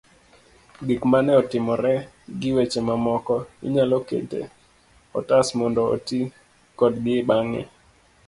Gik mane otimore gi weche mamoko, inyalo kete otas mondo oti kodgi bang'e.